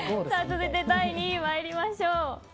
続いて第２位参りましょう。